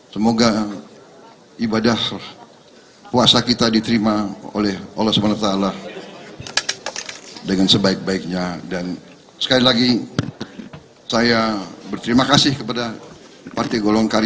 semoga ibadah puasa kita diterima dengan senang hati